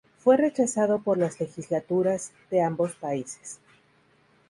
Fue rechazado por las legislaturas de ambos países.